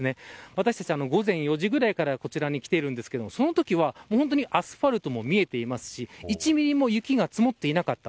私たち午前４時ぐらいからこちらへ来ているんですけれどもそのときはアスファルトも見えていますし１ミリも雪が積もっていなかった。